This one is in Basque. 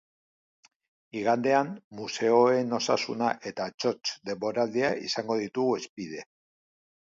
Igandean, museoen osasuna eta txotx denboraldia izango ditugu hizpide.